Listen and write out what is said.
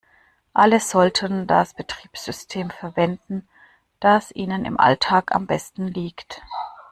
Alle sollten das Betriebssystem verwenden, das ihnen im Alltag am besten liegt.